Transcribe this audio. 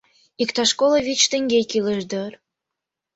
Иктаж коло вич теҥге кӱлеш дыр...